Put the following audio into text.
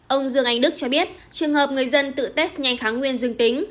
ông dương anh đức cho biết trường hợp người dân tự test nhanh kháng nguyên dương tính